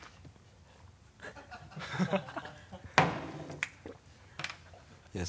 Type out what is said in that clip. ハハハ